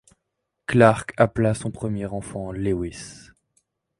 Clark appela son premier enfant Lewis.